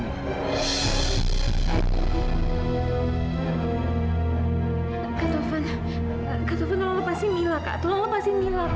kak taufan kak taufan tolong lepasin mila kak tolong lepasin mila